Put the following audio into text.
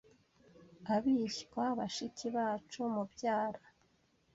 Abishywa, bashiki bacu, mubyara